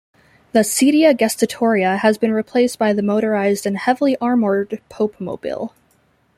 The "sedia gestatoria" has been replaced by the motorized and heavily armoured "Popemobile".